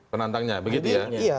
penantangnya begitu ya